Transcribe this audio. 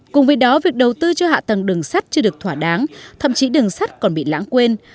cùng với đó việc đầu tư cho hạ tầng đường sắt chưa được thỏa đáng thậm chí đường sắt còn bị lãng quên